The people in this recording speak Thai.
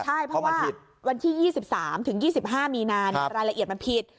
ใช่เพราะว่าวันที่๒๓ถึง๒๕มีนารายละเอียดมันผิด